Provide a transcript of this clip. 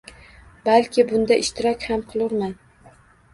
Balki bunda ishtirok ham qilurman.